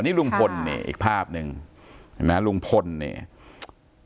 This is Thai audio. นี่ลุงพลเนี่ยอีกภาพนึงลุงพลเนี่ย